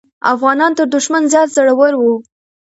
افغانان تر دښمن زیات زړور وو.